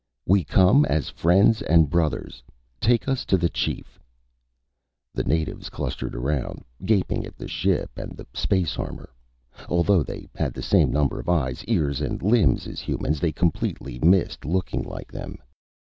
"We come as friends and brothers. Take us to the chief." The natives clustered around, gaping at the ship and the space armor. Although they had the same number of eyes, ears and limbs as humans, they completely missed looking like them.